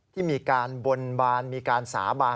ที่มีการบนบานมีการสาบาน